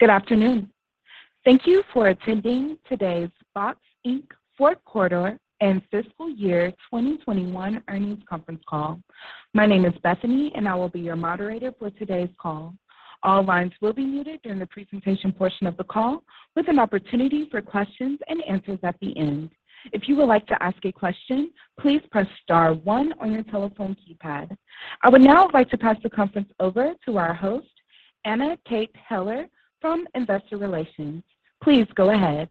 Good afternoon. Thank you for attending today's Boxed, Inc fourth quarter and fiscal year 2021 earnings conference call. My name is Bethany, and I will be your moderator for today's call. All lines will be muted during the presentation portion of the call, with an opportunity for questions and answers at the end. If you would like to ask a question, please press star one on your telephone keypad. I would now like to pass the conference over to our host, Anna Kate Heller from Investor Relations. Please go ahead.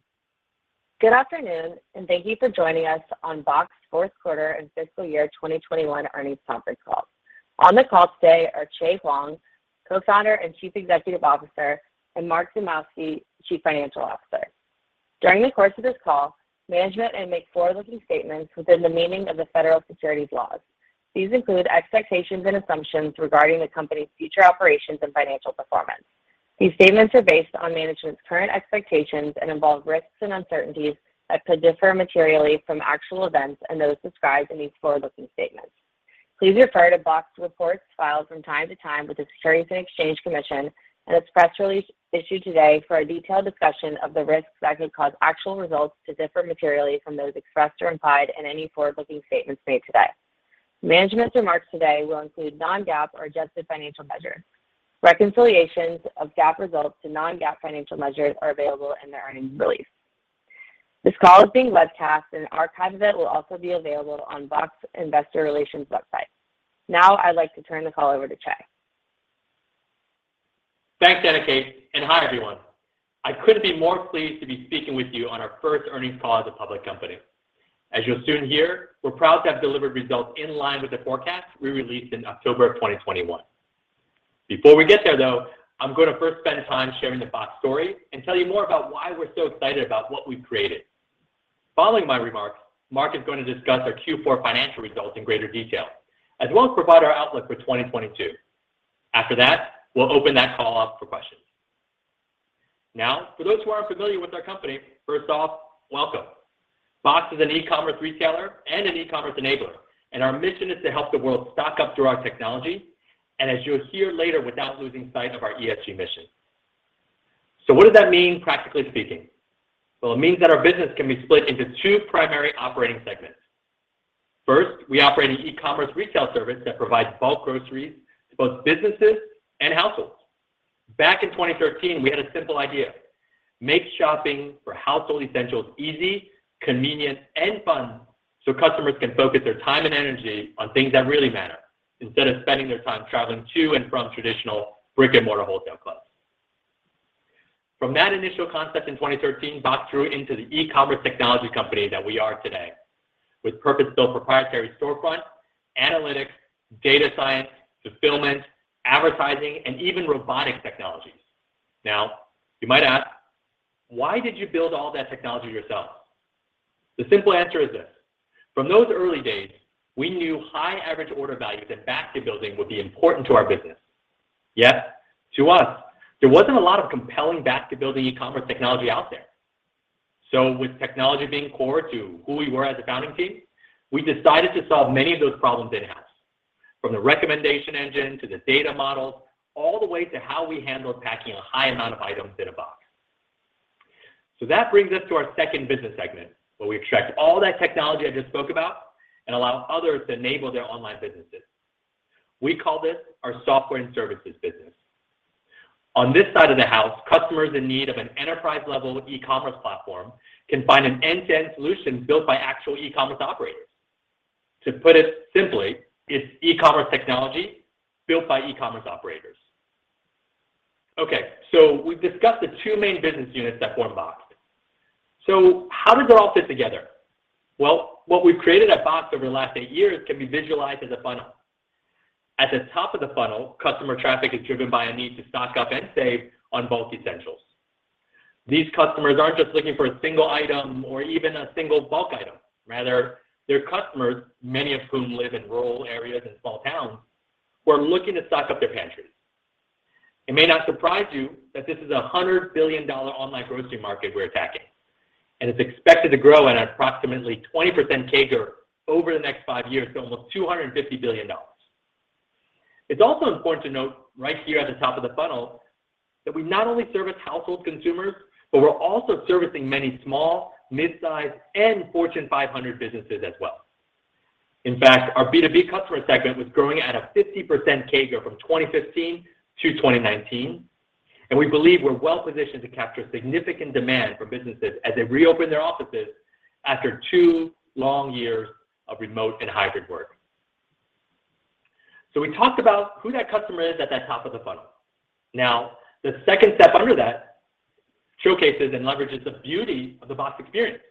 Good afternoon, and thank you for joining us on Boxed's fourth quarter and fiscal year 2021 earnings conference call. On the call today are Chieh Huang, Co-Founder and Chief Executive Officer, and Mark Zimowski, Chief Financial Officer. During the course of this call, management may make forward-looking statements within the meaning of the federal securities laws. These include expectations and assumptions regarding the company's future operations and financial performance. These statements are based on management's current expectations and involve risks and uncertainties that could differ materially from actual events and those described in these forward-looking statements. Please refer to Boxed's reports filed from time to time with the Securities and Exchange Commission and its press release issued today for a detailed discussion of the risks that could cause actual results to differ materially from those expressed or implied in any forward-looking statements made today. Management's remarks today will include non-GAAP or adjusted financial measures. Reconciliations of GAAP results to non-GAAP financial measures are available in the earnings release. This call is being webcast, and an archive of it will also be available on Boxed Investor Relations website. Now, I'd like to turn the call over to Chieh. Thanks, Anna Kate, and hi, everyone. I couldn't be more pleased to be speaking with you on our first earnings call as a public company. As you'll soon hear, we're proud to have delivered results in line with the forecast we released in October of 2021. Before we get there, though, I'm going to first spend time sharing the Box story and tell you more about why we're so excited about what we've created. Following my remarks, Mark is going to discuss our Q4 financial results in greater detail, as well as provide our outlook for 2022. After that, we'll open that call up for questions. Now, for those who aren't familiar with our company, first off, welcome. Boxed is an e-commerce retailer and an e-commerce enabler, and our mission is to help the world stock up through our technology, and as you'll hear later, without losing sight of our ESG mission. What does that mean, practically speaking? Well, it means that our business can be split into two primary operating segments. First, we operate an e-commerce retail service that provides bulk groceries to both businesses and households. Back in 2013, we had a simple idea. Make shopping for household essentials easy, convenient, and fun so customers can focus their time and energy on things that really matter instead of spending their time traveling to and from traditional brick-and-mortar wholesale clubs. From that initial concept in 2013, Boxed grew into the e-commerce technology company that we are today, with purpose-built proprietary storefront, analytics, data science, fulfillment, advertising, and even robotic technologies. Now, you might ask, "Why did you build all that technology yourself?" The simple answer is this. From those early days, we knew high average order values and basket building would be important to our business. Yet, to us, there wasn't a lot of compelling basket building e-commerce technology out there. With technology being core to who we were as a founding team, we decided to solve many of those problems in-house, from the recommendation engine to the data models, all the way to how we handled packing a high amount of items in a box. That brings us to our second business segment, where we've tracked all that technology I just spoke about and allow others to enable their online businesses. We call this our software and services business. On this side of the house, customers in need of an enterprise-level e-commerce platform can find an end-to-end solution built by actual e-commerce operators. To put it simply, it's e-commerce technology built by e-commerce operators. Okay, we've discussed the two main business units that form Boxed. How does it all fit together? Well, what we've created at Boxed over the last eight years can be visualized as a funnel. At the top of the funnel, customer traffic is driven by a need to stock up and save on bulk essentials. These customers aren't just looking for a single item or even a single bulk item. Rather, they're customers, many of whom live in rural areas and small towns, who are looking to stock up their pantries. It may not surprise you that this is a $100 billion online grocery market we're attacking, and it's expected to grow at approximately 20% CAGR over the next five years to almost $250 billion. It's also important to note right here at the top of the funnel that we not only service household consumers, but we're also servicing many small, mid-sized, and Fortune 500 businesses as well. In fact, our B2B customer segment was growing at a 50% CAGR from 2015 to 2019, and we believe we're well-positioned to capture significant demand for businesses as they reopen their offices after two long years of remote and hybrid work. We talked about who that customer is at that top of the funnel. Now, the second step under that showcases and leverages the beauty of the Box experience.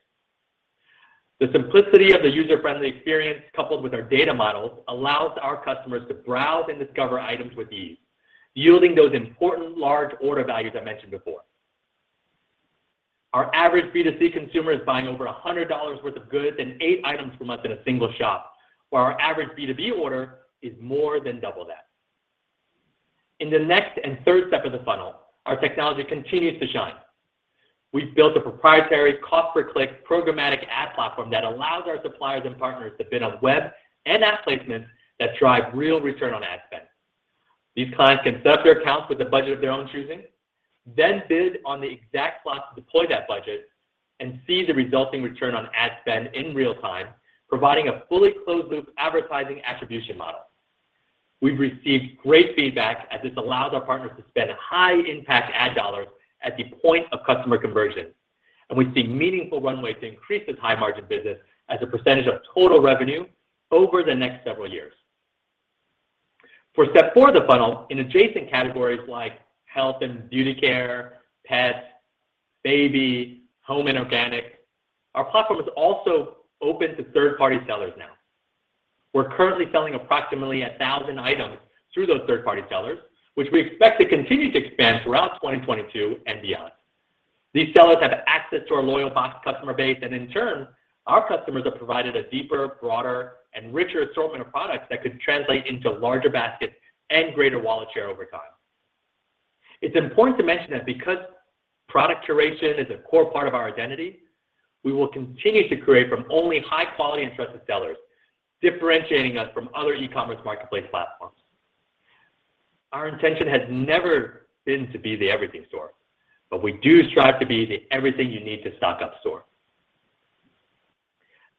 The simplicity of the user-friendly experience coupled with our data models allows our customers to browse and discover items with ease, yielding those important large order values I mentioned before. Our average B2C consumer is buying over $100 worth of goods and eight items per month in a single shop, while our average B2B order is more than double that. In the next and third step of the funnel, our technology continues to shine. We've built a proprietary cost per click programmatic ad platform that allows our suppliers and partners to bid on web and app placements that drive real return on ad spend. These clients can set up their accounts with a budget of their own choosing, then bid on the exact slots to deploy that budget and see the resulting return on ad spend in real time, providing a fully closed loop advertising attribution model. We've received great feedback as this allows our partners to spend high impact ad dollars at the point of customer conversion, and we see meaningful runway to increase this high margin business as a percentage of total revenue over the next several years. For step four of the funnel, in adjacent categories like health and beauty care, pets, baby, home, and organic, our platform is also open to third-party sellers now. We're currently selling approximately 1,000 items through those third-party sellers, which we expect to continue to expand throughout 2022 and beyond. These sellers have access to our loyal Boxed customer base, and in turn, our customers are provided a deeper, broader, and richer assortment of products that could translate into larger baskets and greater wallet share over time. It's important to mention that because product curation is a core part of our identity, we will continue to curate from only high quality and trusted sellers, differentiating us from other e-commerce marketplace platforms. Our intention has never been to be the everything store, but we do strive to be the everything you need to stock up store.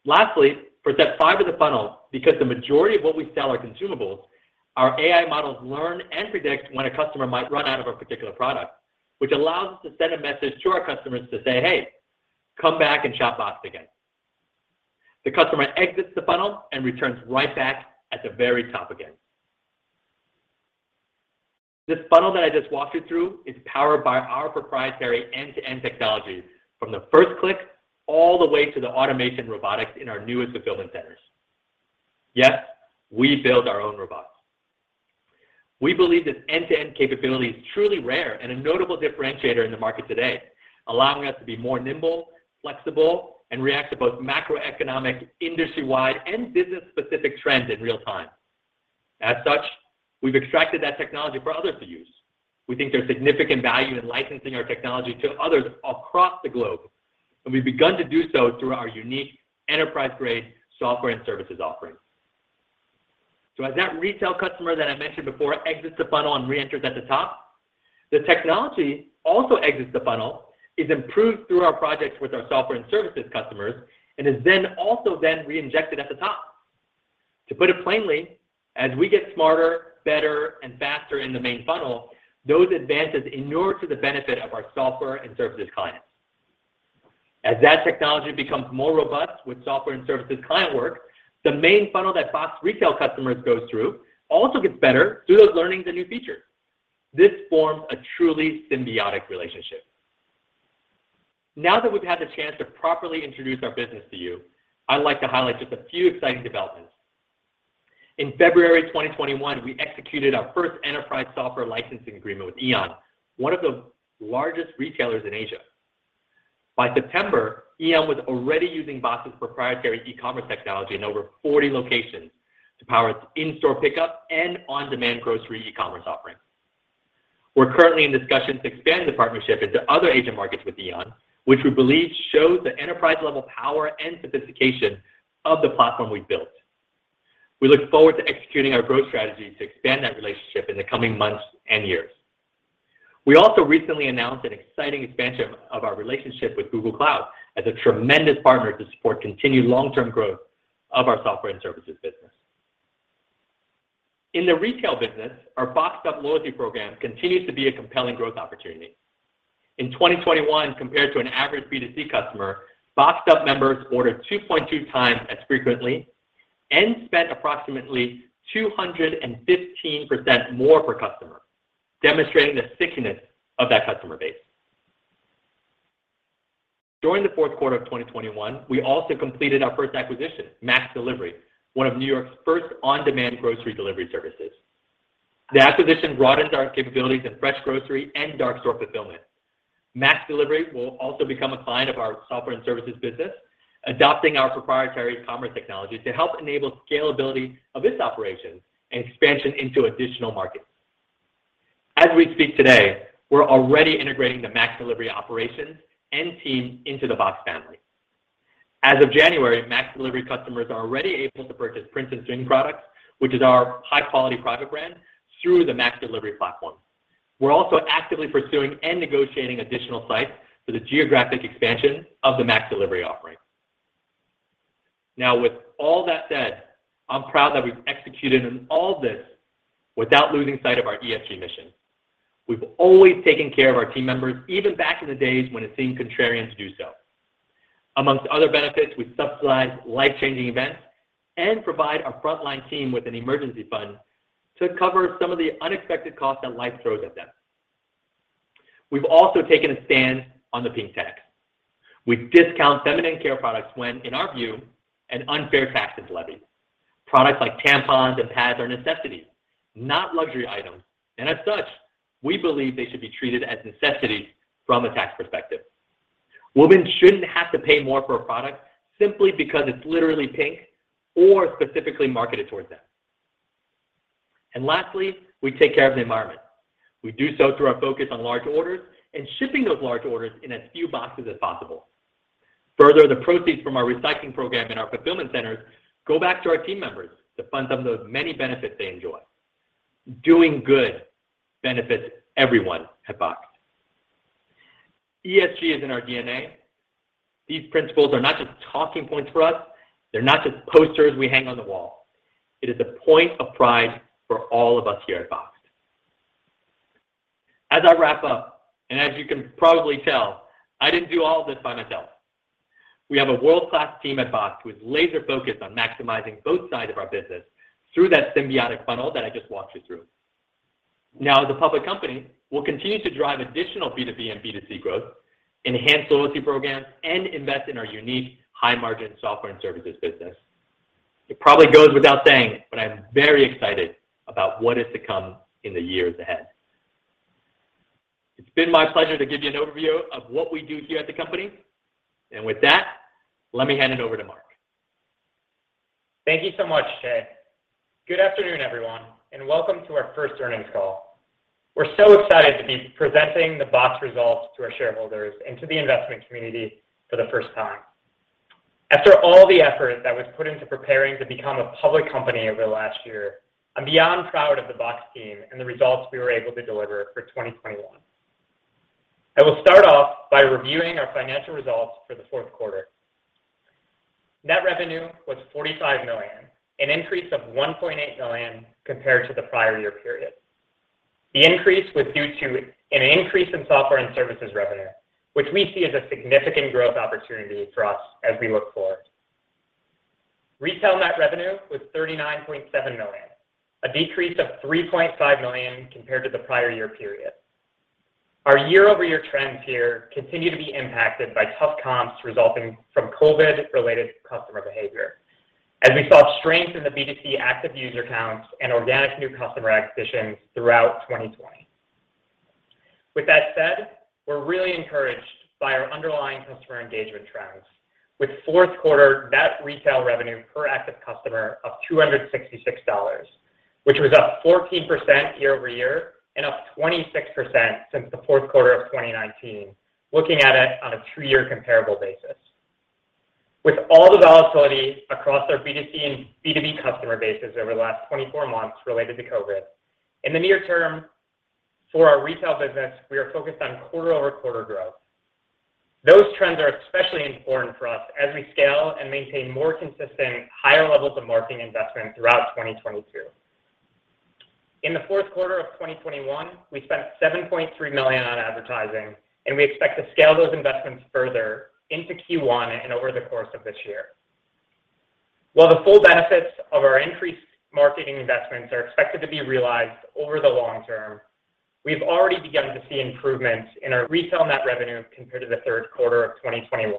Lastly, for step five of the funnel, because the majority of what we sell are consumables, our AI models learn and predict when a customer might run out of a particular product, which allows us to send a message to our customers to say, "Hey, come back and shop Boxed again." The customer exits the funnel and returns right back at the very top again. This funnel that I just walked you through is powered by our proprietary end-to-end technology from the first click all the way to the automation robotics in our newest fulfillment centers. Yes, we build our own robots. We believe this end-to-end capability is truly rare and a notable differentiator in the market today, allowing us to be more nimble, flexible, and react to both macroeconomic, industry-wide, and business-specific trends in real time. As such, we've extracted that technology for others to use. We think there's significant value in licensing our technology to others across the globe, and we've begun to do so through our unique enterprise-grade software and services offerings. As that retail customer that I mentioned before exits the funnel and reenters at the top, the technology also exits the funnel, is improved through our projects with our software and services customers, and is then also reinjected at the top. To put it plainly, as we get smarter, better, and faster in the main funnel, those advances inure to the benefit of our software and services clients. As that technology becomes more robust with software and services client work, the main funnel that Boxed retail customers goes through also gets better through those learnings and new features. This forms a truly symbiotic relationship. Now that we've had the chance to properly introduce our business to you, I'd like to highlight just a few exciting developments. In February 2021, we executed our first enterprise software licensing agreement with AEON, one of the largest retailers in Asia. By September, AEON was already using Boxed's proprietary e-commerce technology in over 40 locations to power its in-store pickup and on-demand grocery e-commerce offerings. We're currently in discussions to expand the partnership into other Asian markets with AEON, which we believe shows the enterprise-level power and sophistication of the platform we've built. We look forward to executing our growth strategy to expand that relationship in the coming months and years. We also recently announced an exciting expansion of our relationship with Google Cloud as a tremendous partner to support continued long-term growth of our software and services business. In the retail business, our Boxed Up loyalty program continues to be a compelling growth opportunity. In 2021, compared to an average B2C customer, Boxed Up members ordered 2.2 times as frequently and spent approximately 215% more per customer, demonstrating the stickiness of that customer base. During the fourth quarter of 2021, we also completed our first acquisition, MaxDelivery, one of New York's first on-demand grocery delivery services. The acquisition broadens our capabilities in fresh grocery and dark store fulfillment. MaxDelivery will also become a client of our software and services business, adopting our proprietary commerce technology to help enable scalability of its operations and expansion into additional markets. As we speak today, we're already integrating the MaxDelivery operations and team into the Boxed family. As of January, MaxDelivery customers are already able to purchase Prince & Spring products, which is our high-quality private brand, through the MaxDelivery platform. We're also actively pursuing and negotiating additional sites for the geographic expansion of the Max Delivery offering. Now, with all that said, I'm proud that we've executed on all this without losing sight of our ESG mission. We've always taken care of our team members, even back in the days when it seemed contrarian to do so. Among other benefits, we subsidize life-changing events and provide our frontline team with an emergency fund to cover some of the unexpected costs that life throws at them. We've also taken a stand on the pink tax. We discount feminine care products when, in our view, an unfair tax is levied. Products like tampons and pads are necessities, not luxury items, and as such, we believe they should be treated as necessities from a tax perspective. Women shouldn't have to pay more for a product simply because it's literally pink or specifically marketed towards them. Lastly, we take care of the environment. We do so through our focus on large orders and shipping those large orders in as few boxes as possible. Further, the proceeds from our recycling program in our fulfillment centers go back to our team members to fund some of the many benefits they enjoy. Doing good benefits everyone at Boxed. ESG is in our DNA. These principles are not just talking points for us. They're not just posters we hang on the wall. It is a point of pride for all of us here at Boxed. As I wrap up, and as you can probably tell, I didn't do all of this by myself. We have a world-class team at Boxed who is laser focused on maximizing both sides of our business through that symbiotic funnel that I just walked you through. Now, as a public company, we'll continue to drive additional B2B and B2C growth, enhance loyalty programs, and invest in our unique high-margin software and services business. It probably goes without saying, but I'm very excited about what is to come in the years ahead. It's been my pleasure to give you an overview of what we do here at the company. With that, let me hand it over to Mark. Thank you so much, Chieh. Good afternoon, everyone, and welcome to our first earnings call. We're so excited to be presenting the Boxed results to our shareholders and to the investment community for the first time. After all the effort that was put into preparing to become a public company over the last year, I'm beyond proud of the Boxed team and the results we were able to deliver for 2021. I will start off by reviewing our financial results for the fourth quarter. Net revenue was $45 million, an increase of $1.8 million compared to the prior year period. The increase was due to an increase in software and services revenue, which we see as a significant growth opportunity for us as we look forward. Retail net revenue was $39.7 million, a decrease of $3.5 million compared to the prior year period. Our year-over-year trends here continue to be impacted by tough comps resulting from COVID-related customer behavior as we saw strength in the B2C active user counts and organic new customer acquisitions throughout 2020. With that said, we're really encouraged by our underlying customer engagement trends with fourth quarter net retail revenue per active customer of $266, which was up 14% year-over-year and up 26% since the fourth quarter of 2019, looking at it on a three-year comparable basis. With all the volatility across our B2C and B2B customer bases over the last 24 months related to COVID, in the near term for our retail business, we are focused on quarter-over-quarter growth. Those trends are especially important for us as we scale and maintain more consistent, higher levels of marketing investment throughout 2022. In the fourth quarter of 2021, we spent $7.3 million on advertising, and we expect to scale those investments further into Q1 and over the course of this year. While the full benefits of our increased marketing investments are expected to be realized over the long term, we've already begun to see improvements in our retail net revenue compared to the third quarter of 2021,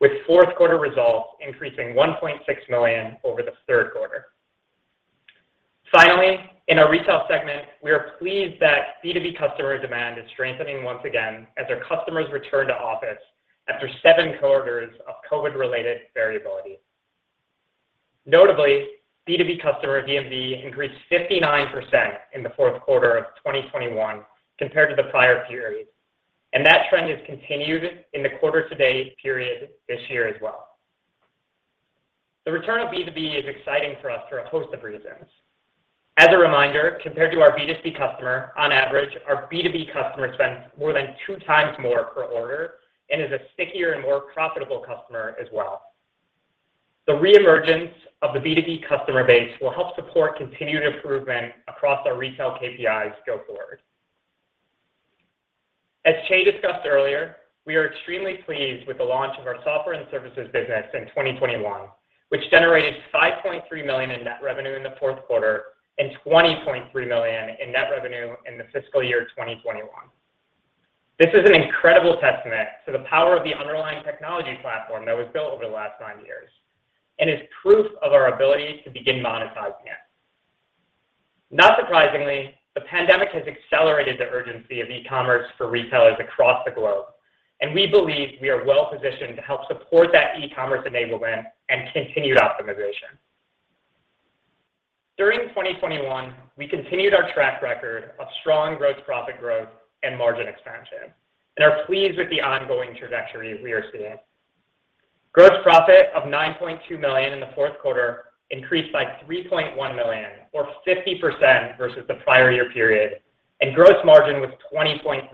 with fourth quarter results increasing $1.6 million over the third quarter. Finally, in our retail segment, we are pleased that B2B customer demand is strengthening once again as our customers return to office after 7 quarters of COVID-related variability. Notably, B2B customer GMV increased 59% in the fourth quarter of 2021 compared to the prior period, and that trend has continued in the quarter to date period this year as well. The return of B2B is exciting for us for a host of reasons. As a reminder, compared to our B2C customer, on average, our B2B customer spends more than two times more per order and is a stickier and more profitable customer as well. The reemergence of the B2B customer base will help support continued improvement across our retail KPIs go forward. As Chieh discussed earlier, we are extremely pleased with the launch of our software and services business in 2021, which generated $5.3 million in net revenue in the fourth quarter and $20.3 million in net revenue in the fiscal year 2021. This is an incredible testament to the power of the underlying technology platform that was built over the last nine years and is proof of our ability to begin monetizing it. Not surprisingly, the pandemic has accelerated the urgency of e-commerce for retailers across the globe, and we believe we are well-positioned to help support that e-commerce enablement and continued optimization. During 2021, we continued our track record of strong gross profit growth and margin expansion and are pleased with the ongoing trajectory we are seeing. Gross profit of $9.2 million in the fourth quarter increased by $3.1 million or 50% versus the prior year period, and gross margin was 20.3%,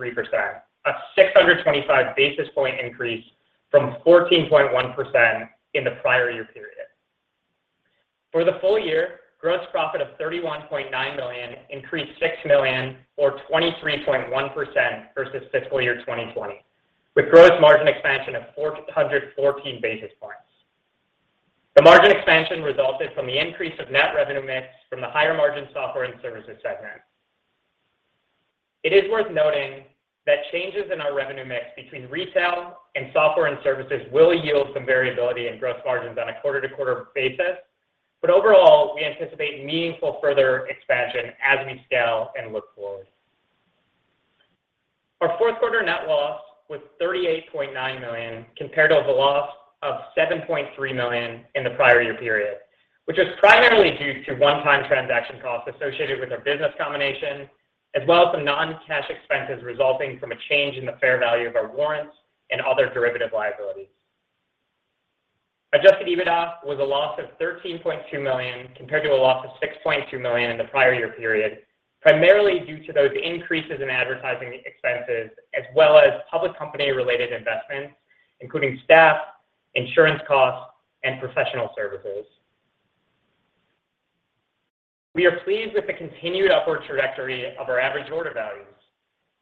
a 625 basis point increase from 14.1% in the prior year period. For the full year, gross profit of $31.9 million increased $6 million or 23.1% versus fiscal year 2020, with gross margin expansion of 414 basis points. The margin expansion resulted from the increase of net revenue mix from the higher margin software and services segment. It is worth noting that changes in our revenue mix between retail and software and services will yield some variability in gross margins on a quarter-to-quarter basis, but overall, we anticipate meaningful further expansion as we scale and look forward. Fourth quarter net loss was $38.9 million, compared to a loss of $7.3 million in the prior year period, which was primarily due to one-time transaction costs associated with our business combination, as well as some non-cash expenses resulting from a change in the fair value of our warrants and other derivative liabilities. Adjusted EBITDA was a loss of $13.2 million, compared to a loss of $6.2 million in the prior year period, primarily due to those increases in advertising expenses as well as public company-related investments, including staff, insurance costs, and professional services. We are pleased with the continued upward trajectory of our average order values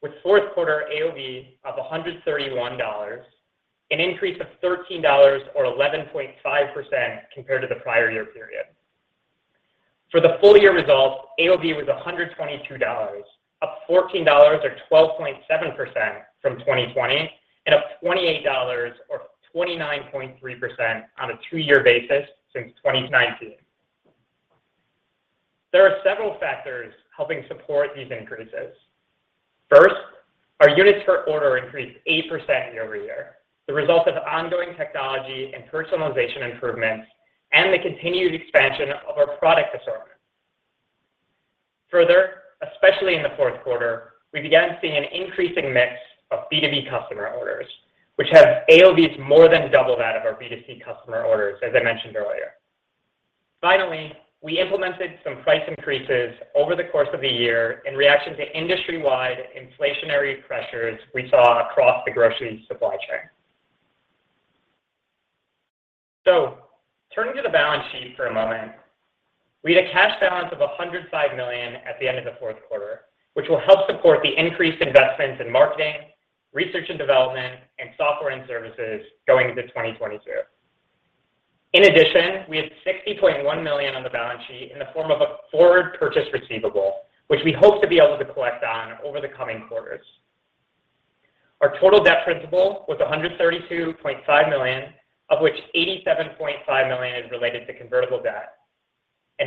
with fourth quarter AOV of $131, an increase of $13 or 11.5% compared to the prior year period. For the full year results, AOV was $122, up $14 or 12.7% from 2020, and up $28 or 29.3% on a two-year basis since 2019. There are several factors helping support these increases. First, our units per order increased 8% year-over-year, the result of ongoing technology and personalization improvements and the continued expansion of our product assortment. Further, especially in the fourth quarter, we began seeing an increasing mix of B2B customer orders, which has AOVs more than double that of our B2C customer orders, as I mentioned earlier. Finally, we implemented some price increases over the course of the year in reaction to industry-wide inflationary pressures we saw across the grocery supply chain. Turning to the balance sheet for a moment, we had a cash balance of $105 million at the end of the fourth quarter, which will help support the increased investments in marketing, research and development, and software and services going into 2022. In addition, we had $60.1 million on the balance sheet in the form of a forward purchase receivable, which we hope to be able to collect on over the coming quarters. Our total debt principal was $132.5 million, of which $87.5 million is related to convertible debt.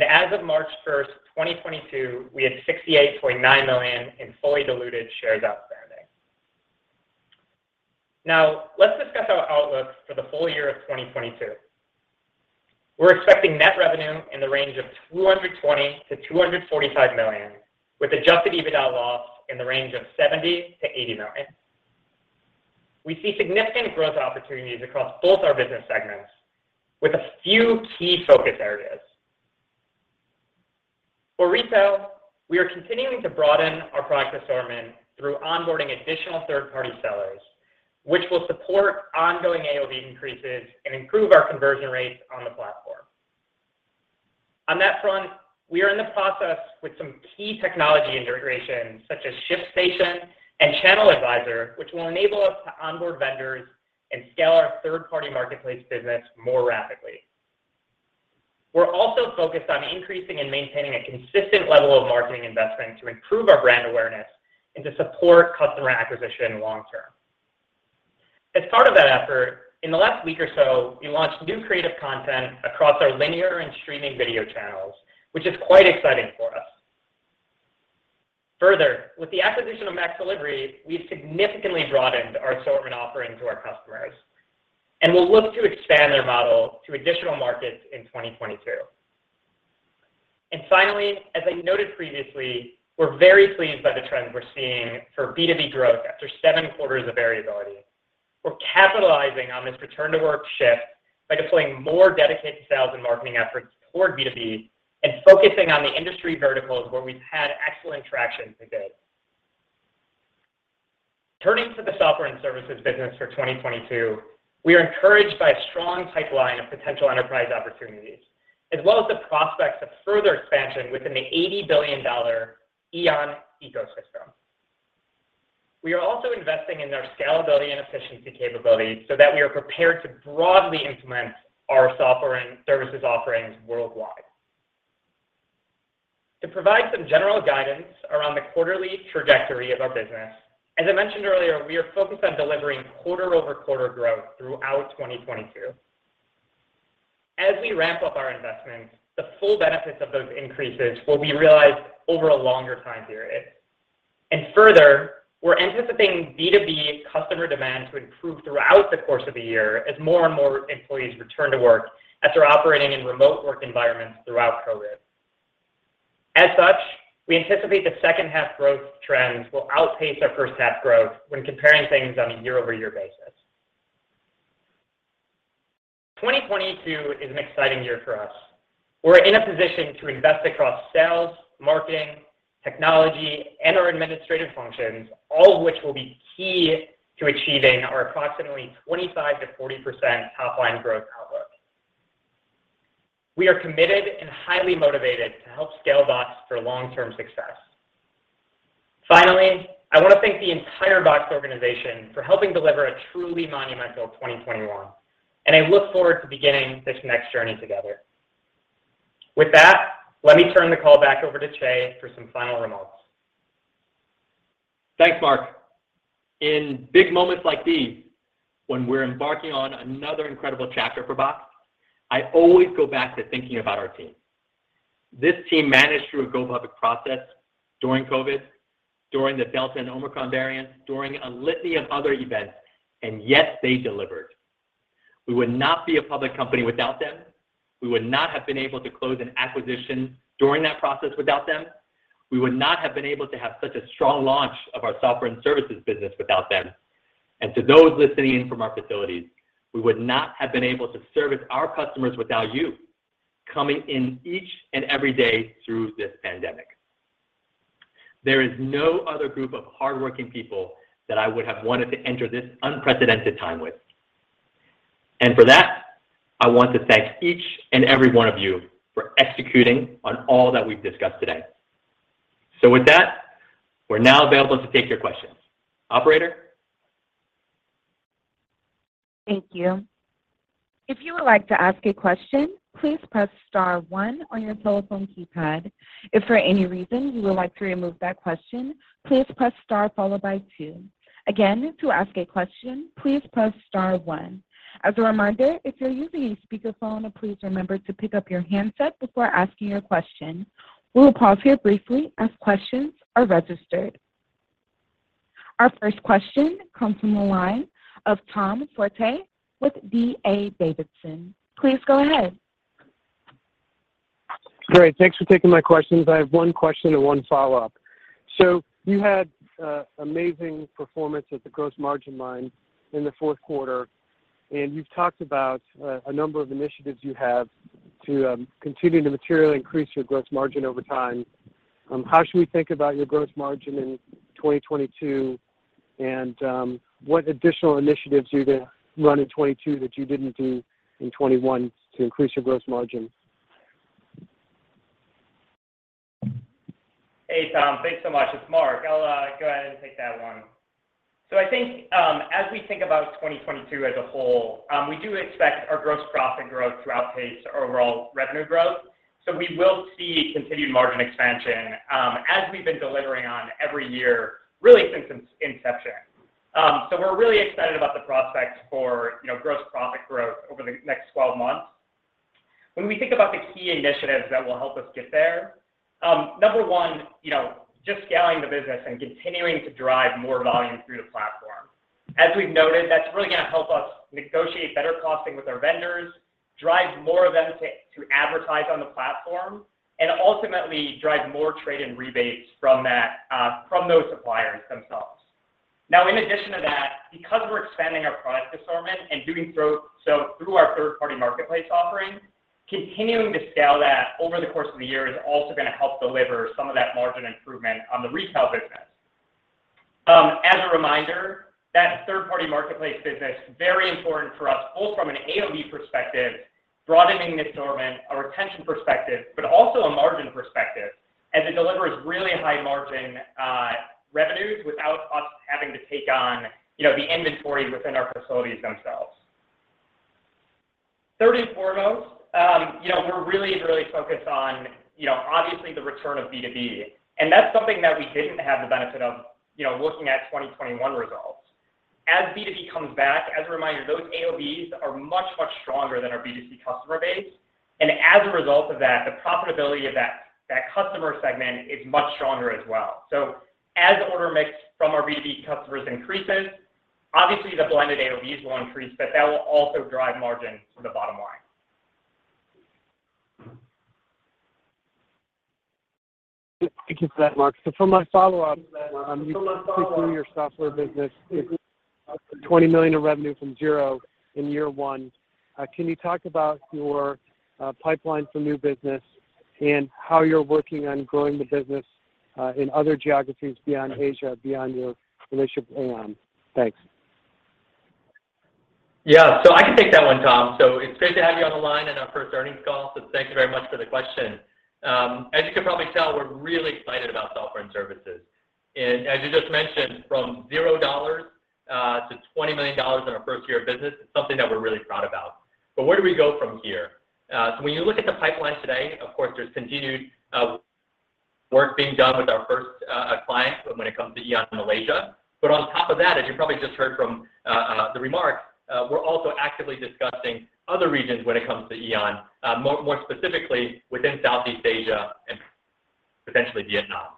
As of March 1, 2022, we had 68.9 million in fully diluted shares outstanding. Now, let's discuss our outlook for the full year of 2022. We're expecting net revenue in the range of $220 million-$245 million, with adjusted EBITDA loss in the range of $70 million-$80 million. We see significant growth opportunities across both our business segments with a few key focus areas. For retail, we are continuing to broaden our product assortment through onboarding additional third-party sellers, which will support ongoing AOV increases and improve our conversion rates on the platform. On that front, we are in the process with some key technology integrations such as ShipStation and ChannelAdvisor, which will enable us to onboard vendors and scale our third-party marketplace business more rapidly. We're also focused on increasing and maintaining a consistent level of marketing investment to improve our brand awareness and to support customer acquisition long term. As part of that effort, in the last week or so, we launched new creative content across our linear and streaming video channels, which is quite exciting for us. Further, with the acquisition of MaxDelivery, we've significantly broadened our assortment offering to our customers, and we'll look to expand their model to additional markets in 2022. Finally, as I noted previously, we're very pleased by the trends we're seeing for B2B growth after seven quarters of variability. We're capitalizing on this return to work shift by deploying more dedicated sales and marketing efforts toward B2B and focusing on the industry verticals where we've had excellent traction to date. Turning to the software and services business for 2022, we are encouraged by a strong pipeline of potential enterprise opportunities, as well as the prospects of further expansion within the $80 billion AEON ecosystem. We are also investing in our scalability and efficiency capabilities so that we are prepared to broadly implement our software and services offerings worldwide. To provide some general guidance around the quarterly trajectory of our business, as I mentioned earlier, we are focused on delivering quarter-over-quarter growth throughout 2022. As we ramp up our investments, the full benefits of those increases will be realized over a longer time period. Further, we're anticipating B2B customer demand to improve throughout the course of the year as more and more employees return to work after operating in remote work environments throughout COVID. As such, we anticipate the second half growth trends will outpace our first half growth when comparing things on a year-over-year basis. 2022 is an exciting year for us. We're in a position to invest across sales, marketing, technology, and our administrative functions, all of which will be key to achieving our approximately 25%-40% top line growth outlook. We are committed and highly motivated to help scale Boxed for long-term success. Finally, I want to thank the entire Boxed organization for helping deliver a truly monumental 2021, and I look forward to beginning this next journey together. With that, let me turn the call back over to Chieh for some final remarks. Thanks, Mark. In big moments like these, when we're embarking on another incredible chapter for Boxed, I always go back to thinking about our team. This team managed through a go public process during COVID, during the Delta and Omicron variants, during a litany of other events, and yet they delivered. We would not be a public company without them. We would not have been able to close an acquisition during that process without them. We would not have been able to have such a strong launch of our software and services business without them. To those listening in from our facilities, we would not have been able to service our customers without you coming in each and every day through this pandemic. There is no other group of hardworking people that I would have wanted to enter this unprecedented time with. For that, I want to thank each and every one of you for executing on all that we've discussed today. With that, we're now available to take your questions. Operator? Thank you. If you would like to ask a question, please press star one on your telephone keypad. If for any reason you would like to remove that question, please press star followed by two. Again, to ask a question, please press star one. As a reminder, if you're using a speakerphone, please remember to pick up your handset before asking your question. We will pause here briefly as questions are registered. Our first question comes from the line of Tom Forte with D.A. Davidson. Please go ahead. Great. Thanks for taking my questions. I have one question and one follow-up. You had amazing performance at the gross margin line in the fourth quarter, and you've talked about a number of initiatives you have to continue to materially increase your gross margin over time. How should we think about your gross margin in 2022, and what additional initiatives are you gonna run in 2022 that you didn't do in 2021 to increase your gross margin? Hey, Tom. Thanks so much. It's Mark. I'll go ahead and take that one. I think, as we think about 2022 as a whole, we do expect our gross profit growth to outpace our overall revenue growth. We will see continued margin expansion, as we've been delivering on every year really since its inception. We're really excited about the prospects for, you know, gross profit growth over the next 12 months. When we think about the key initiatives that will help us get there, number one, you know, just scaling the business and continuing to drive more volume through the platform. As we've noted, that's really gonna help us negotiate better costing with our vendors, drive more of them to advertise on the platform, and ultimately drive more trade and rebates from that, from those suppliers themselves. Now in addition to that, because we're expanding our product assortment and doing so through our third-party marketplace offering, continuing to scale that over the course of the year is also gonna help deliver some of that margin improvement on the retail business. As a reminder, that third-party marketplace business, very important for us both from an AOV perspective, broadening the assortment, a retention perspective, but also a margin perspective as it delivers really high margin revenues without us having to take on, you know, the inventory within our facilities themselves. Third and foremost, you know, we're really focused on, you know, obviously the return of B2B, and that's something that we didn't have the benefit of, you know, looking at 2021 results. As B2B comes back, as a reminder, those AOVs are much, much stronger than our B2C customer base, and as a result of that, the profitability of that customer segment is much stronger as well. As order mix from our B2B customers increases, obviously the blended AOV is gonna increase, but that will also drive margin for the bottom line. Thank you for that, Mark. For my follow-up, you took through your software business, $20 million of revenue from zero in year one. Can you talk about your pipeline for new business and how you're working on growing the business in other geographies beyond Asia, beyond your relationship with AEON? Thanks. Yeah. I can take that one, Tom. It's great to have you on the line on our first earnings call, so thank you very much for the question. As you can probably tell, we're really excited about software and services. As you just mentioned, from $0 to $20 million in our first year of business, it's something that we're really proud about. Where do we go from here? When you look at the pipeline today, of course, there's continued work being done with our first client when it comes to AEON Malaysia. On top of that, as you probably just heard from the remarks, we're also actively discussing other regions when it comes to AEON, more specifically within Southeast Asia and potentially Vietnam.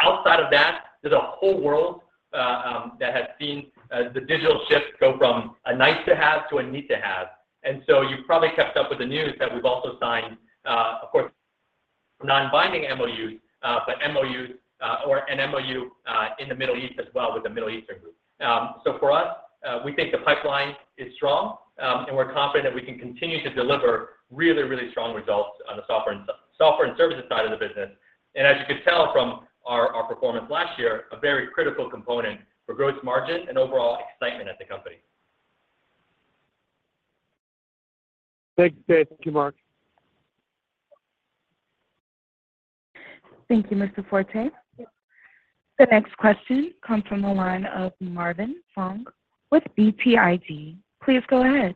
Outside of that, there's a whole world that has seen the digital shift go from a nice to have to a need to have. You've probably kept up with the news that we've also signed, of course, non-binding MOU in the Middle East as well with a Middle Eastern group. For us, we think the pipeline is strong, and we're confident that we can continue to deliver really strong results on the software and services side of the business, and as you could tell from our performance last year, a very critical component for gross margin and overall excitement at the company. Thanks, Chieh. Thank you, Mark. Thank you, Mr. Forte. The next question comes from the line of Marvin Fong with BTIG. Please go ahead.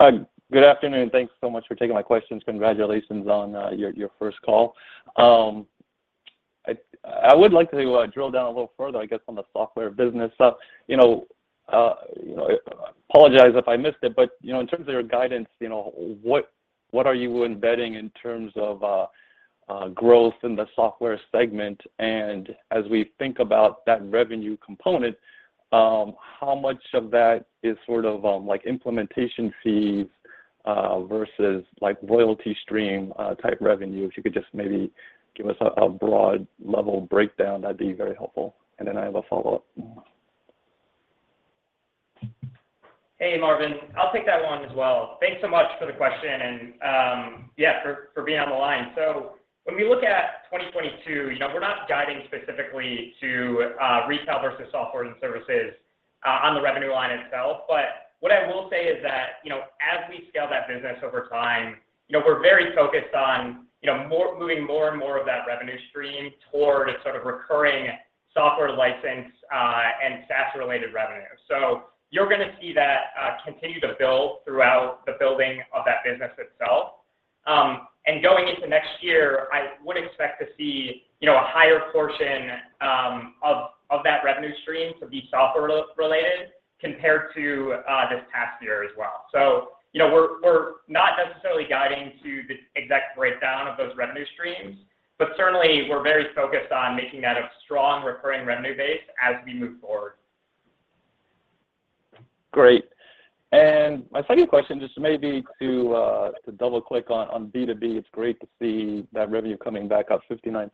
Hi. Good afternoon. Thanks so much for taking my questions. Congratulations on your first call. I would like to drill down a little further, I guess, on the software business. You know, I apologize if I missed it, but you know, in terms of your guidance, you know, what are you embedding in terms of growth in the software segment? And as we think about that revenue component, how much of that is sort of like implementation fees versus like royalty stream type revenue? If you could just maybe give us a broad level breakdown, that'd be very helpful. And then I have a follow-up. Hey, Marvin. I'll take that one as well. Thanks so much for the question and, yeah, for being on the line. When we look at 2022, you know, we're not guiding specifically to retail versus software and services on the revenue line itself. What I will say is that, you know, as we scale that business over time, you know, we're very focused on moving more and more of that revenue stream toward a sort of recurring software license and SaaS related revenue. You're gonna see that continue to build throughout the building of that business itself. Going into next year, I would expect to see, you know, a higher portion of that revenue stream to be software related compared to this past year as well. You know, we're not necessarily guiding to the exact breakdown of those revenue streams, but certainly we're very focused on making that a strong recurring revenue base as we move forward. Great. My second question, just maybe to double-click on B2B, it's great to see that revenue coming back up 59%,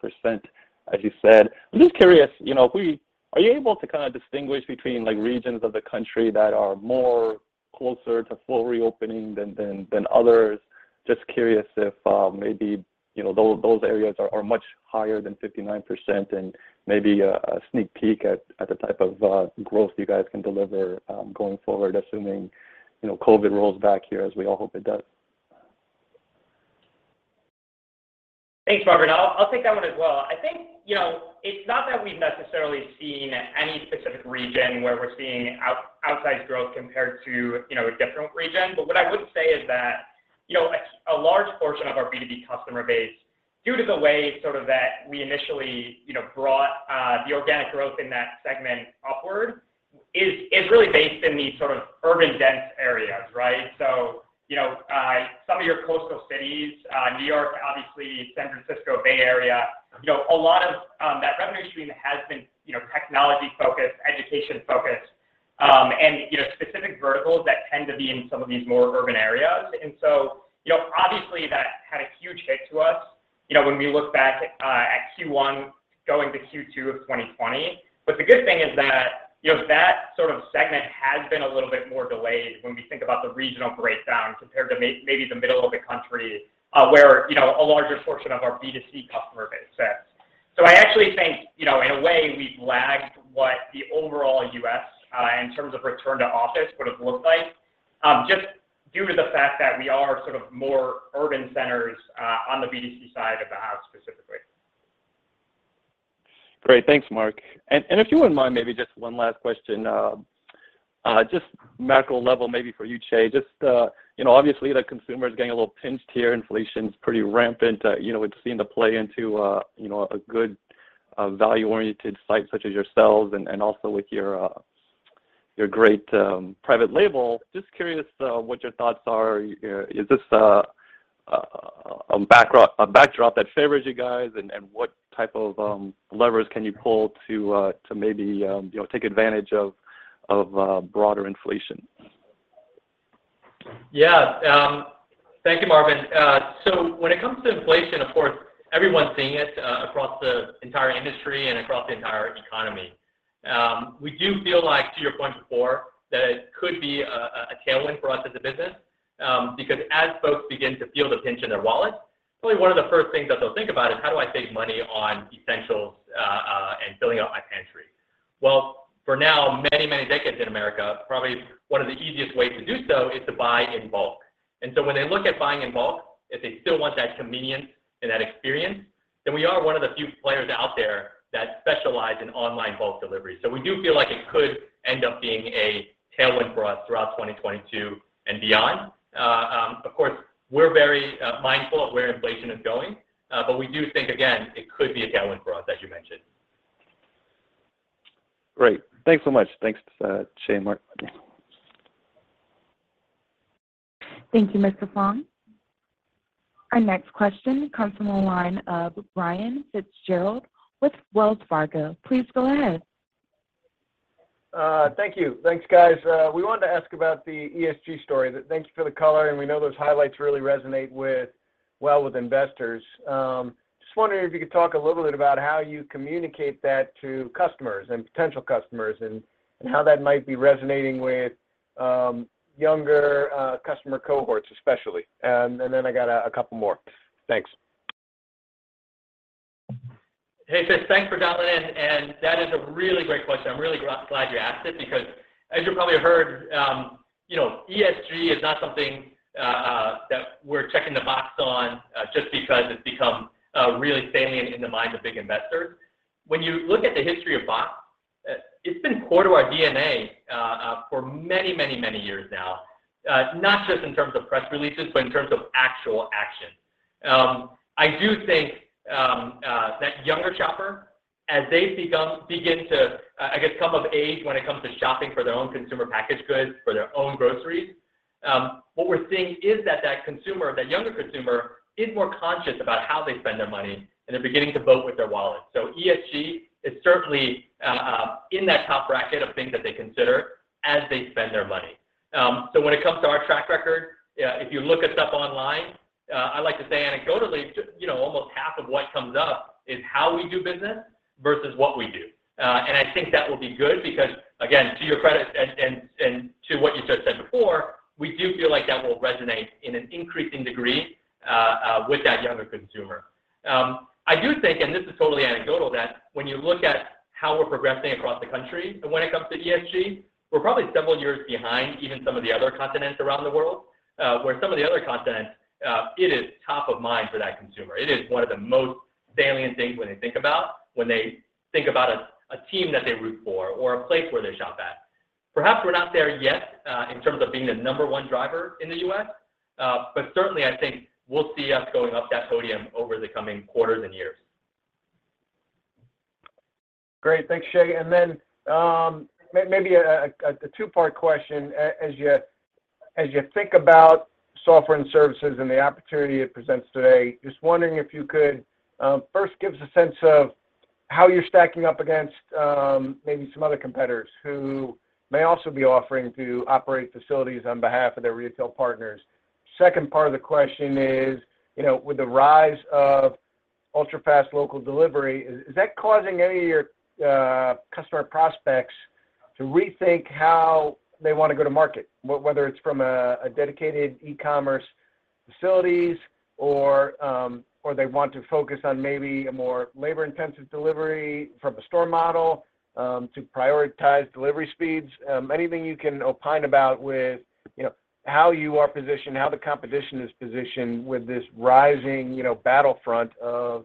as you said. I'm just curious, you know, if we are you able to kinda distinguish between like regions of the country that are more closer to full reopening than others? Just curious if maybe, you know, those areas are much higher than 59% and maybe a sneak peek at the type of growth you guys can deliver going forward, assuming, you know, COVID rolls back here as we all hope it does. Thanks, Marvin. I'll take that one as well. I think, you know, it's not that we've necessarily seen any specific region where we're seeing outside growth compared to, you know, a large portion of our B2B customer base, due to the way sort of that we initially, you know, brought the organic growth in that segment upward is really based in these sort of urban dense areas, right? So, you know, some of your coastal cities, New York, obviously San Francisco Bay Area, you know, a lot of that revenue stream has been, you know, technology-focused, education-focused, and, you know, specific verticals that tend to be in some of these more urban areas. You know, obviously that had a huge hit to us, you know, when we look back at Q1 going to Q2 of 2020. The good thing is that, you know, that sort of segment has been a little bit more delayed when we think about the regional breakdown compared to maybe the middle of the country, where, you know, a larger portion of our B2C customer base sits. I actually think, you know, in a way, we've lagged what the overall U.S. in terms of return to office would've looked like, just due to the fact that we are sort of more urban centers on the B2C side of the house specifically. Great. Thanks, Mark. If you wouldn't mind, maybe just one last question. Just macro level maybe for you, Chieh. Just, you know, obviously the consumer's getting a little pinched here. Inflation's pretty rampant. You know, it's seemed to play into, you know, a good, value-oriented site such as yourselves and also with your your great, private label. Just curious, what your thoughts are. Is this, a backdrop that favors you guys and what type of, levers can you pull to maybe, you know, take advantage of, broader inflation? Yeah. Thank you, Marvin. So when it comes to inflation, of course, everyone's seeing it across the entire industry and across the entire economy. We do feel like, to your point before, that it could be a tailwind for us as a business, because as folks begin to feel the pinch in their wallet, probably one of the first things that they'll think about is, "How do I save money on essentials, and filling up my pantry?" Well, for now, many, many decades in America, probably one of the easiest ways to do so is to buy in bulk. When they look at buying in bulk, if they still want that convenience and that experience, then we are one of the few players out there that specialize in online bulk delivery. We do feel like it could end up being a tailwind for us throughout 2022 and beyond. Of course, we're very mindful of where inflation is going, but we do think, again, it could be a tailwind for us, as you mentioned. Great. Thanks so much. Thanks, Chieh and Mark. Thank you, Mr. Fong. Our next question comes from the line of Brian Fitzgerald with Wells Fargo. Please go ahead. Thank you. Thanks, guys. We wanted to ask about the ESG story. Thanks for the color, and we know those highlights really resonate with, well, with investors. Just wondering if you could talk a little bit about how you communicate that to customers and potential customers and how that might be resonating with younger customer cohorts especially. Then I got a couple more. Thanks. Hey, Fitz. Thanks for dialing in, and that is a really great question. I'm really glad you asked it because as you probably heard, you know, ESG is not something that we're checking the box on just because it's become really salient in the minds of big investors. When you look at the history of Boxed, it's been core to our DNA for many years now, not just in terms of press releases, but in terms of actual action. I do think that younger shopper, as they begin to, I guess, come of age when it comes to shopping for their own consumer packaged goods, for their own groceries, what we're seeing is that consumer, that younger consumer is more conscious about how they spend their money, and they're beginning to vote with their wallet. ESG is certainly in that top bracket of things that they consider as they spend their money. When it comes to our track record, if you look us up online, I like to say anecdotally, you know, almost half of what comes up is how we do business versus what we do. I think that will be good because, again, to your credit and to what you just said before, we do feel like that will resonate in an increasing degree with that younger consumer. I do think this is totally anecdotal, that when you look at how we're progressing across the country and when it comes to ESG, we're probably several years behind even some of the other continents around the world, where some of the other continents it is top of mind for that consumer. It is one of the most salient things when they think about a team that they root for or a place where they shop at. Perhaps we're not there yet in terms of being the number one driver in the U.S. But certainly I think we'll see us going up that podium over the coming quarters and years. Great. Thanks, Chieh. Maybe a two-part question. As you think about software and services and the opportunity it presents today, just wondering if you could first give us a sense of how you're stacking up against maybe some other competitors who may also be offering to operate facilities on behalf of their retail partners. Second part of the question is, you know, with the rise of ultra-fast local delivery, is that causing any of your customer prospects to rethink how they wanna go to market, whether it's from a dedicated e-commerce facilities or they want to focus on maybe a more labor-intensive delivery from a store model to prioritize delivery speeds? Anything you can opine about with, you know, how you are positioned, how the competition is positioned with this rising, you know, battlefront of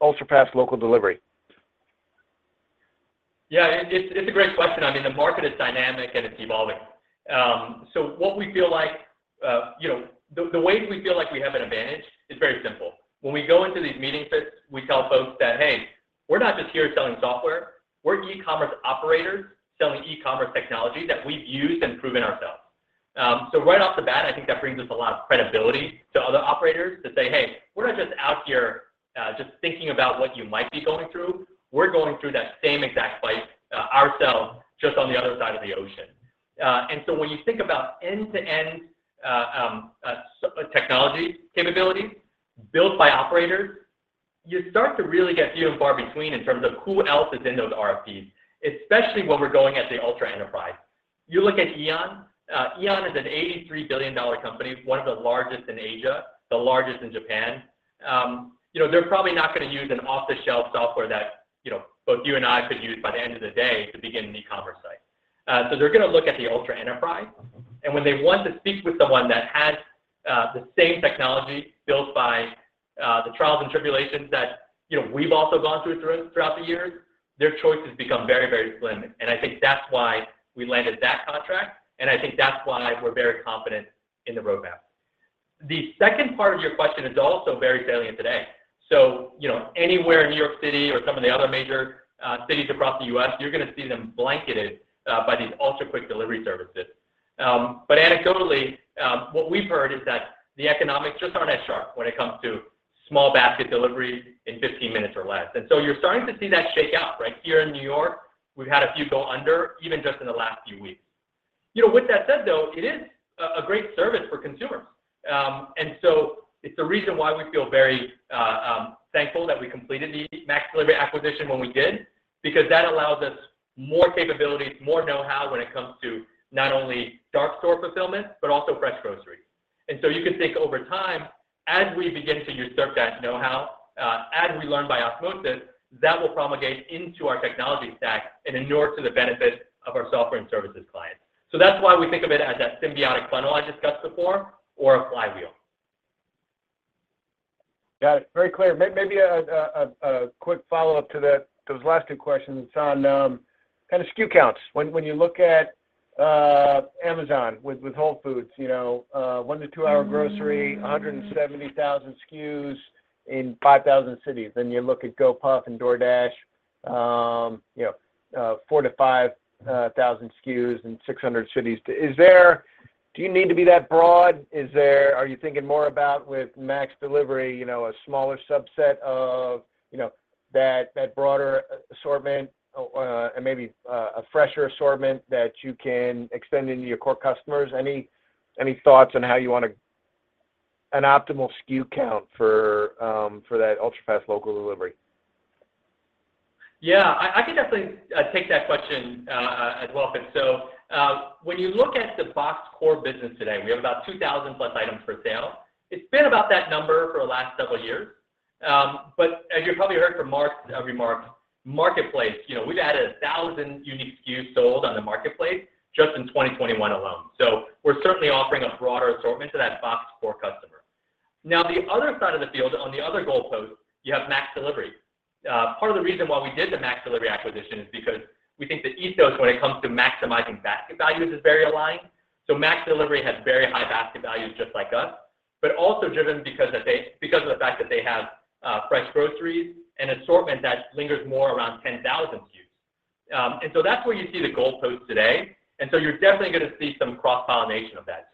ultra-fast local delivery? Yeah. It's a great question. I mean, the market is dynamic and it's evolving. So what we feel like, the way we feel like we have an advantage is very simple. When we go into these meetings, we tell folks that, "Hey, we're not just here selling software. We're e-commerce operators selling e-commerce technology that we've used and proven ourselves." So right off the bat, I think that brings us a lot of credibility to other operators to say, "Hey, we're not just out here, just thinking about what you might be going through. We're going through that same exact fight, ourselves, just on the other side of the ocean." When you think about end-to-end technology capability built by operators, you start to really get few and far between in terms of who else is in those RFPs, especially when we're going at the ultra enterprise. You look at AEON. AEON is a $83 billion company, one of the largest in Asia, the largest in Japan. You know, they're probably not gonna use an off-the-shelf software that, you know, both you and I could use by the end of the day to begin an e-commerce site. They're gonna look at the ultra enterprise, and when they want to speak with someone that has the same technology built by the trials and tribulations that, you know, we've also gone through throughout the years, their choices become very, very slim. I think that's why we landed that contract, and I think that's why we're very confident in the roadmap. The second part of your question is also very salient today. You know, anywhere in New York City or some of the other major cities across the U.S., you're gonna see them blanketed by these ultra-quick delivery services. Anecdotally, what we've heard is that the economics just aren't as sharp when it comes to small basket delivery in 15 minutes or less. You're starting to see that shake out, right? Here in New York, we've had a few go under even just in the last few weeks. You know, with that said, though, it is a great service for consumers. It's the reason why we feel very thankful that we completed the MaxDelivery acquisition when we did, because that allows us more capabilities, more know-how when it comes to not only dark store fulfillment, but also fresh grocery. You can think over time as we begin to use serve that know-how, as we learn by osmosis, that will propagate into our technology stack and endure to the benefit of our software and services clients. That's why we think of it as that symbiotic funnel I discussed before or a flywheel. Got it. Very clear. Maybe a quick follow-up to that, those last two questions on kind of SKU counts. When you look at Amazon with Whole Foods, you know, one to two-hour grocery, 170,000 SKUs in 5,000 cities, and you look at Gopuff and DoorDash, you know, four to five thousand SKUs and 600 cities. Is there? Do you need to be that broad? Is there? Are you thinking more about with MaxDelivery, you know, a smaller subset of, you know, that broader assortment, and maybe a fresher assortment that you can extend into your core customers? Any thoughts on how you want an optimal SKU count for that ultra-fast local delivery? I can definitely take that question as well. When you look at the Boxed core business today, we have about 2,000 plus items for sale. It's been about that number for the last several years. As you probably heard from Mark, our marketplace, you know, we've added 1,000 unique SKUs sold on the marketplace just in 2021 alone. We're certainly offering a broader assortment to that Boxed core customer. Now, the other side of the field on the other goalpost, you have MaxDelivery. Part of the reason why we did the MaxDelivery acquisition is because we think the ethos when it comes to maximizing basket values is very aligned. MaxDelivery has very high basket values just like us, but also driven because of the fact that they have fresh groceries and assortment that lingers more around 10,000 SKUs. That's where you see the goalposts today, and you're definitely gonna see some cross-pollination of that.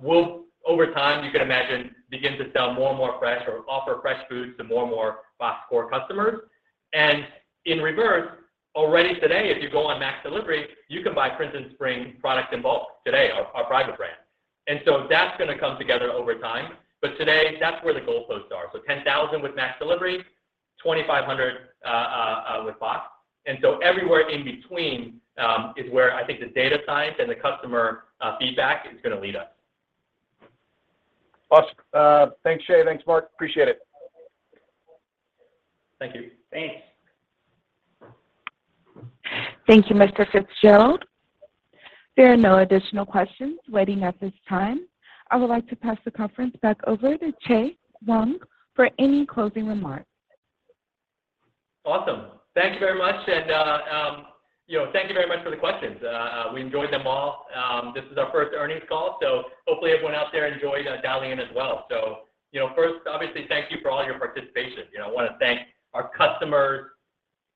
We'll over time, you can imagine, begin to sell more and more fresh or offer fresh foods to more and more Boxed core customers. In reverse, already today, if you go on MaxDelivery, you can buy Prince & Spring product in bulk today, our private brand. That's gonna come together over time. But today, that's where the goalposts are. 10,000 with MaxDelivery, 2,500 with Boxed. Everywhere in between is where I think the data science and the customer feedback is gonna lead us. Awesome. Thanks, Chieh. Thanks, Mark. Appreciate it. Thank you. Thanks. Thank you, Mr. Fitzgerald. There are no additional questions waiting at this time. I would like to pass the conference back over to Chieh Huang for any closing remarks. Awesome. Thank you very much, and, you know, thank you very much for the questions. We enjoyed them all. This is our first earnings call, so hopefully everyone out there enjoyed dialing in as well. You know, first, obviously, thank you for all your participation. You know, I wanna thank our customers,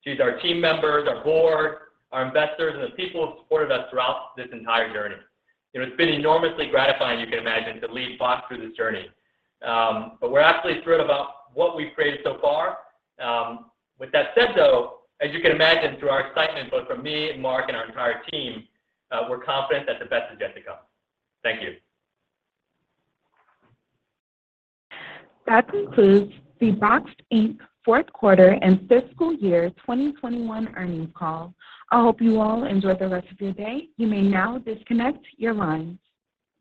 jeez, our team members, our board, our investors, and the people who have supported us throughout this entire journey. You know, it's been enormously gratifying, you can imagine, to lead Boxed through this journey. We're absolutely thrilled about what we've created so far. With that said, though, as you can imagine through our excitement, both from me and Mark and our entire team, we're confident that the best is yet to come. Thank you. That concludes the Boxed, Inc fourth quarter and fiscal year 2021 earnings call. I hope you all enjoy the rest of your day. You may now disconnect your lines.